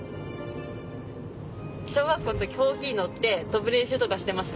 小学校の時ホウキに乗って飛ぶ練習とかしてました。